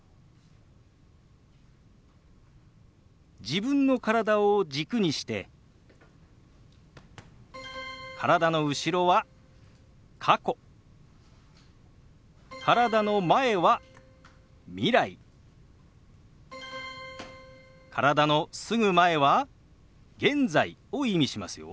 自分の体を軸にして体の後ろは過去体の前は未来体のすぐ前は現在を意味しますよ。